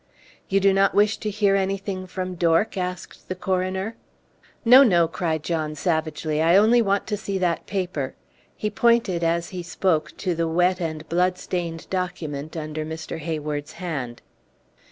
"You do not wish to hear anything from Dork?" asked the coroner. "No, no!" cried John, savagely. "I only want to see that paper." He pointed as he spoke to the wet and blood stained document under Mr. Hayward's hand.